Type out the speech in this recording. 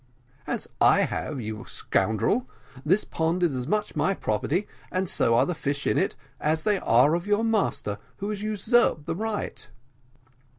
"As I have, you scoundrel; this pond is as much my property, and so are the fish in it, as they are of your master, who has usurped the right."